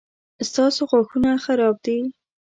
ستاسو غاښونه خراب دي